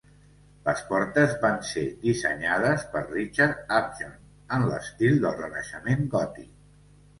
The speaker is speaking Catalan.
Les portes van ser dissenyades per Richard Upjohn en l'estil del renaixement gòtic.